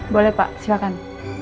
boleh pak silakan